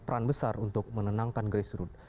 peran besar untuk menenangkan grassroots